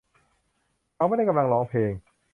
เขาไม่ได้กำลังร้องเพลง